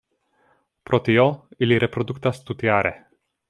Pro tio, ili reproduktas tutjare.